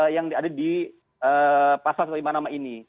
yang ada di pasal satu ratus lima puluh lima ini